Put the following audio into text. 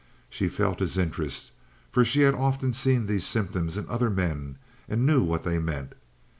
She felt his interest, for she had often seen these symptoms in other men and knew what they meant.